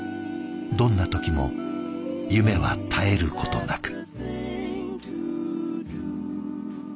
どんな時も夢は絶えることなく。